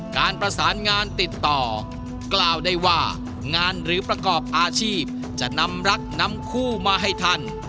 การประสานงานติดต่อกล่าวได้ว่างานหรือประกอบอาชีพจะนำรักนำคู่มาให้ท่าน